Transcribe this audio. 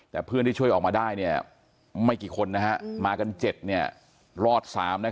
แต่เพื่อนที่ช่วยออกมาได้ไม่กี่คนมากัน๗รอด๓